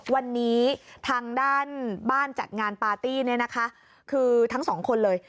วันนี้ทางด้านบ้านจัดงานปาร์ตี้เนี่ยนะคะคือทั้งสองคนเลย